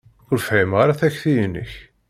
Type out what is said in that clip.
Ur fhimeɣ ara takti-inek.